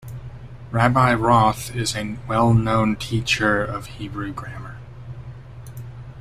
Rabbi Roth is a well-known teacher of Hebrew grammar.